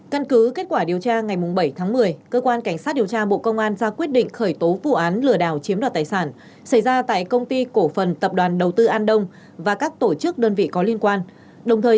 căn cứ kết quả điều tra ngày bảy tháng một mươi cơ quan cảnh sát điều tra bộ công an ra quyết định khởi tố vụ án lừa đảo chiếm đoạt tài sản xảy ra tại công ty cổ phần tập đoàn đầu tư an đông và các tổ chức đơn vị có liên quan